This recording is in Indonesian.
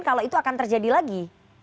kalau itu akan terjadi lagi